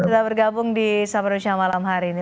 sudah bergabung di sampai raya siawamalam hari ini